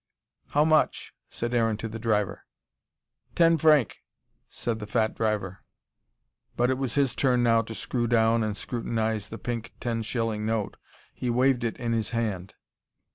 "How much?" said Aaron to the driver. "Ten franc," said the fat driver. But it was his turn now to screw down and scrutinise the pink ten shilling note. He waved it in his hand.